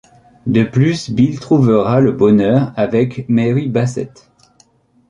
De plus Bill trouvera le bonheur avec Mary Bassett.